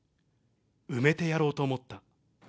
埋めてやろうと思った。